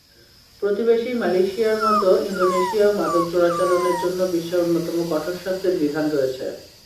প্রতিবেশী মালয়েশিয়ার মতো ইন্দোনেশিয়ায়ও মাদক চোরাচালানের জন্য বিশ্বের অন্যতম কঠোর শাস্তির বিধান রয়েছে।